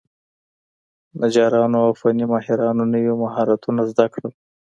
نجارانو او فني ماهرانو نوي مهارتونه زده کړل.